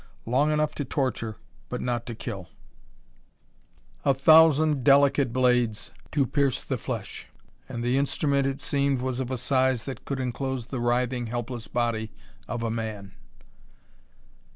Long enough to torture, but not to kill; a thousand delicate blades to pierce the flesh; and the instrument, it seemed, was of a size that could enclose the writhing, helpless body of a man.